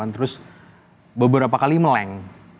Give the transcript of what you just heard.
terus beberapa kali meleng